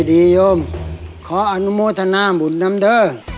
ดีโยมขออนุโมทนาบุญนำเด้อ